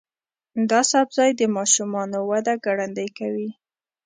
دا سبزی د ماشومانو وده ګړندۍ کوي.